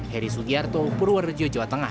heri sugiarto purworejo jawa tengah